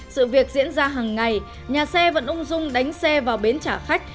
sự việc diễn ra hàng ngày nhà xe vẫn ung dung đánh xe vào bến trả khách